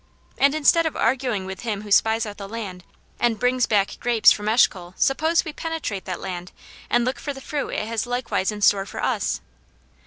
And instead of arguing with him who spies out the land, and brings back grapes from Eshcol, suppose we penetrate that land, and look for the fruit it has likewise in store for us.